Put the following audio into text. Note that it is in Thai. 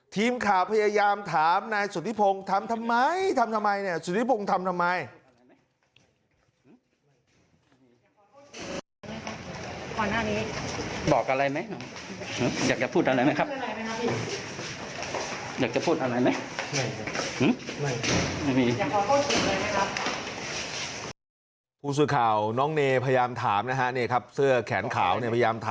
ทีมข่าวพยายามถามนายสุธิพงศ์ทำทำไมทำทำไมเสมอ